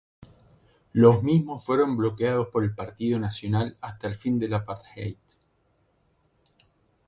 Los mismos fueron bloqueados por el Partido Nacional hasta el fin del apartheid.